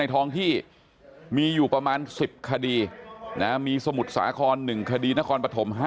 ท้องที่มีอยู่ประมาณ๑๐คดีมีสมุทรสาคร๑คดีนครปฐม๕